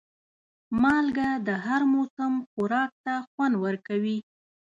مالګه د هر موسم خوراک ته خوند ورکوي.